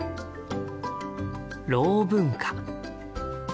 「ろう文化」。